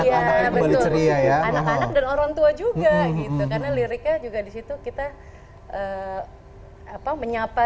iya betul anak anak dan orang tua juga gitu karena liriknya juga disitu kita apa menyapa